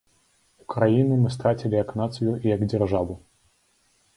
Украіну мы страцілі як нацыю і як дзяржаву.